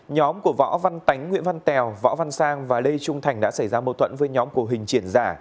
nhóm của võ văn tánh nguyễn văn tèo võ văn sang và lê trung thành đã xảy ra mâu thuẫn với nhóm của huỳnh triển giả